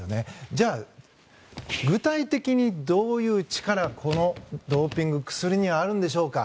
じゃあ、具体的にどういう力がこのドーピング薬にはあるんでしょうか。